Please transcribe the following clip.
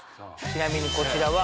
ちなみにこちらは